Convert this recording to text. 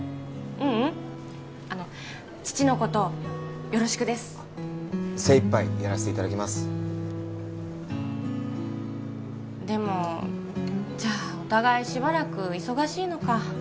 ううんあの父のことよろしくです精いっぱいやらせていただきますでもじゃあお互いしばらく忙しいのか